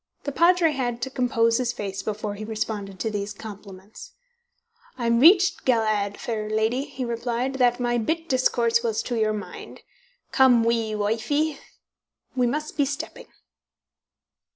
The Padre had to compose his face before he responded to these compliments. "I'm reecht glad, fair lady," he replied, "that my bit discourse was to your mind. Come, wee wifie, we must be stepping."